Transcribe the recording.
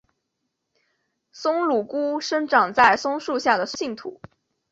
松乳菇生长在松树下的酸性土。